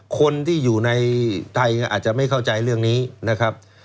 คนที่อยู่ในไทยอาจจะไม่เข้าใจเรื่องนี้นะครับ